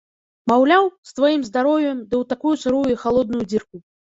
Маўляў, з тваім здароўем ды ў такую сырую і халодную дзірку.